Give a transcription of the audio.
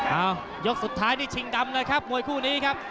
ยกสุดท้ายนี่ชิงดำเลยครับมวยคู่นี้ครับ